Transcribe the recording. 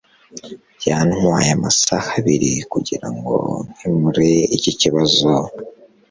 Byantwaye amasaha abiri kugirango nkemure iki kibazo.